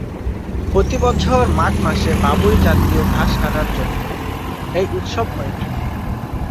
প্রতি বছর মাঘ মাসে বাবুই জাতীয় ঘাস কাটার জন্য এই উৎসব হয়ে থাকে।